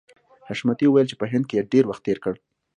حشمتي وویل چې په هند کې یې ډېر وخت تېر کړی